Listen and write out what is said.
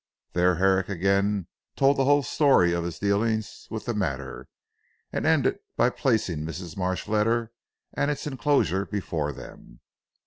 There Herrick again told the whole story of his dealings with the matter, and ended up by placing Mrs. Marsh's letter and its enclosure before them.